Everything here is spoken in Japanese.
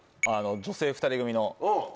女性２人組の。